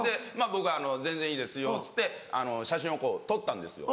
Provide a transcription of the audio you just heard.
僕「全然いいですよ」っつって写真をこう撮ったんですよ。